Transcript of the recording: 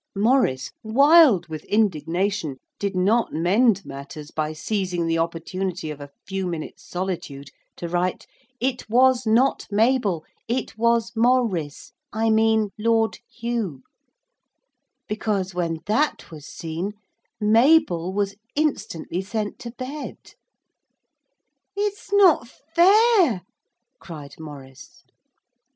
Maurice, wild with indignation, did not mend matters by seizing the opportunity of a few minutes' solitude to write: 'It was not Mabel it was Maur ice I mean Lord Hugh,' because when that was seen Mabel was instantly sent to bed. 'It's not fair!' cried Maurice.